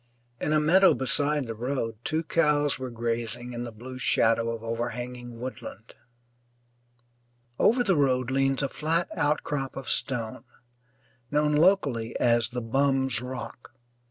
In a meadow beside the road two cows were grazing in the blue shadow of overhanging woodland. Over the road leans a flat outcrop of stone, known locally as "The Bum's Rock."